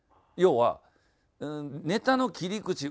要はネタの切り口